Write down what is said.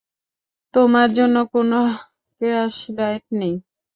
তোমার জন্য কোনও ক্র্যাশ ডায়েট নেই।